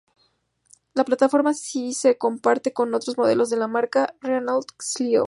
La plataforma sí se comparte con otros modelos de la marca, el Renault Clio.